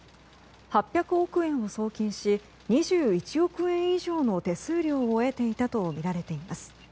８００億円を送金し２１億円以上の手数料を得ていたとみられています。